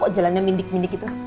kok jalannya mendik mendik gitu